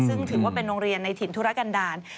ซึ่งถือว่าเป็นโรงเรียนในถิ่นธุรกันดาล